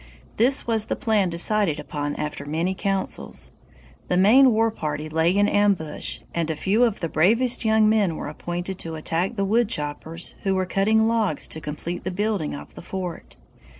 "This was the plan decided upon after many councils. The main war party lay in ambush, and a few of the bravest young men were appointed to attack the woodchoppers who were cutting logs to complete the building of the fort.